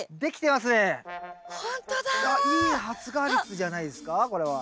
いやいい発芽率じゃないですかこれは。